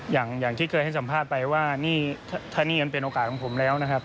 อย่างที่เคยให้สัมภาษณ์ไปว่านี่ถ้านี่มันเป็นโอกาสของผมแล้วนะครับ